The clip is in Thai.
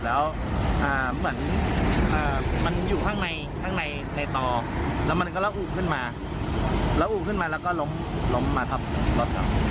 แล้วอุ่นขึ้นมาแล้วก็ล้มมาครับรถครับ